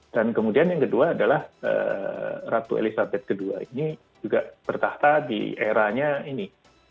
dan kemudian yang kedua adalah ratu elizabeth ii ini juga bertahta di eranya ini